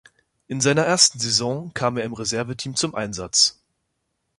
In seiner ersten Saison kam er im Reserveteam zum Einsatz.